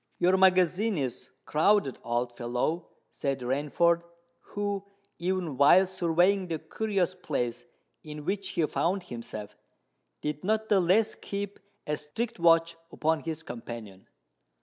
"Your magazine is crowded, old fellow," said Rainford, who, even while surveying the curious place in which he found himself, did not the less keep a strict watch upon his companion.